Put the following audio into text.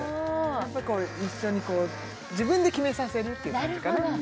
やっぱり一緒にこう自分で決めさせるっていう感じかな